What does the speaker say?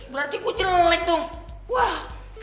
berarti gue jelek tung